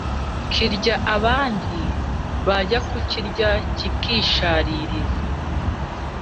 Kirya abandi bajya kucyirya kikishaririza.